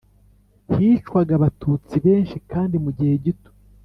hicwaga Abatutsi benshi kandi mu gihe gito